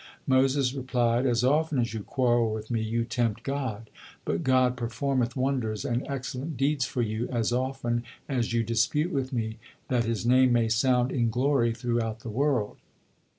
Moses replied: "As often as you quarrel with me, you tempt God, but God performeth wonders and excellent deeds for you, as often as you dispute with me, that His name may sound in glory throughout the world."